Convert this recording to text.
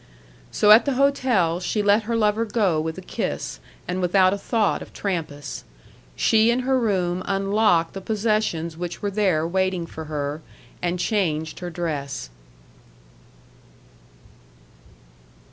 So at the hotel she let her lover go with a kiss, and without a thought of Trampas. She in her room unlocked the possessions which were there waiting for her, and changed her dress.